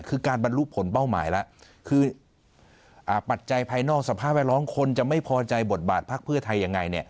คือการบรรลุผลเป้าหมายแล้วคือปัจจัยภายนอกสภาพแวดล้อมคนจะไม่พอใจบทบาทพักเพื่อไทยยังไง